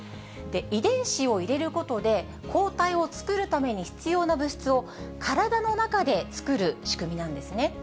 遺伝子を入れることで、抗体を作るために必要な物質を、体の中で作る仕組みなんですね。